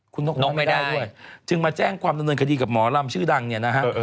คุณนกไม่ได้ด้วยจึงมาแจ้งความดำเนินคดีกับหมอลำชื่อดังเนี่ยนะฮะ